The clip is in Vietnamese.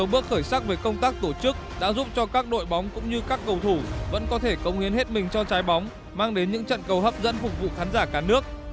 những bước khởi sắc về công tác tổ chức đã giúp cho các đội bóng cũng như các cầu thủ vẫn có thể công hiến hết mình cho trái bóng mang đến những trận cầu hấp dẫn phục vụ khán giả cả nước